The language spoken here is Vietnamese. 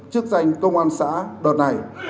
chức danh công an xã đợt này